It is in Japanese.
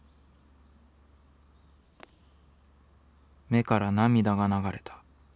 「目から涙がながれた。